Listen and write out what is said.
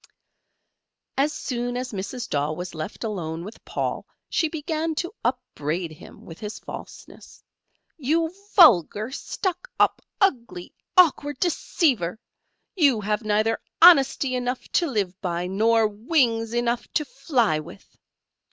[Illustration: THE PARROT EXPOSED.] As soon as Mrs. Daw was left alone with Paul, she began to upbraid him with his falseness, "You vulgar, stuck up, ugly, awkward deceiver! you have neither honesty enough to live by, nor wings enough to fly with."